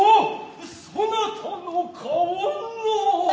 そなたの顔は。